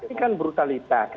ini kan brutalitas